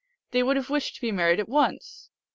353 " they would have wished to be married at once !